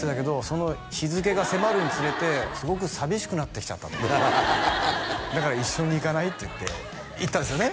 「その日付が迫るにつれてすごく寂しくなってきちゃった」と「だから一緒に行かない？」って言って行ったんですよね？